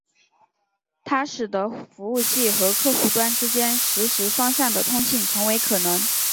它使得服务器和客户端之间实时双向的通信成为可能。